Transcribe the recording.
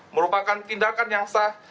merupakan tindakan yang sah